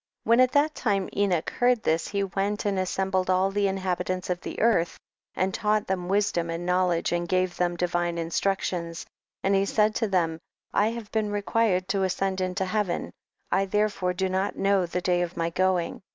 23. When at that time Enoch heard this he went and assembled all the inhabitants of the earth, and taught them wisdom and knowledge and gave them divine instructions, and he said to them, I have been required to ascend into heaven, I therefore do not know the day of my going.